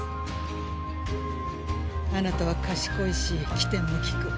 あなたは賢いし機転も利く。